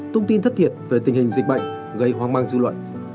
thông tin thất thiệt về tình hình dịch bệnh gây hoang mang dư luận